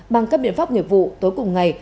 bằng các biện pháp nghiệp vụ tối cùng ngày